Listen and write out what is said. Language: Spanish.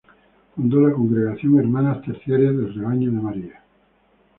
Fundó la "Congregación Hermanas Terciarias del Rebaño de María".